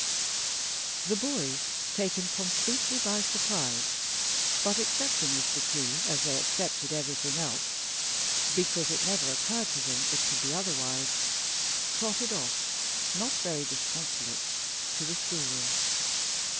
The boys, taken completely by surprise, but accepting this decree as they accepted everything else, because it never occurred to them it could be otherwise, trotted off, not very disconsolate, to the school room.